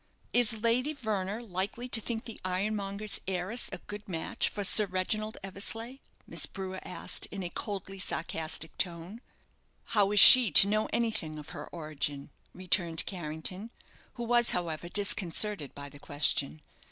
"Is Lady Verner likely to think the ironmonger's heiress a good match for Sir Reginald Eversleigh?" Miss Brewer asked, in a coldly sarcastic tone. "How is she to know anything of her origin?" returned Carrington, who was, however, disconcerted by the question.